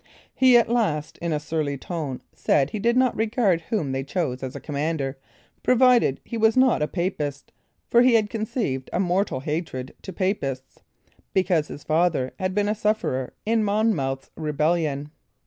He at last, in a surly tone, said, he did not regard whom they chose as a commander, provided he was not a papist, for he had conceived a mortal hatred to papists, because his father had been a sufferer in Monmouth's rebellion.